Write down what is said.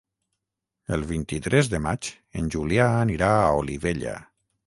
El vint-i-tres de maig en Julià anirà a Olivella.